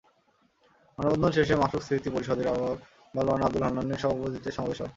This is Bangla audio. মানববন্ধন শেষে মাশুক স্মৃতি পরিষদের আহ্বায়ক মাওলানা আবদুল হান্নানের সভাপতিত্বে সমাবেশ হয়।